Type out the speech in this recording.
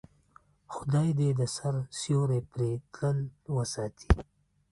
خدای دې د سر سیوری پرې تل وساتي.